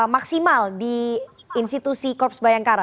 maksimal di institusi korps bayangkara